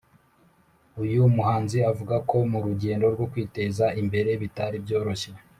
uyu muhanzi avuga ko mu rugendo rwo kwiteza imbere bitari byoroshye